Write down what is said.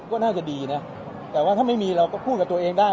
ก็น่าจะดีนะแต่ว่าถ้าไม่มีเราก็พูดกับตัวเองได้